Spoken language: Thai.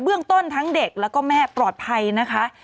เรื่องต้นทั้งเด็กแล้วก็แม่ปลอดภัยนะคะ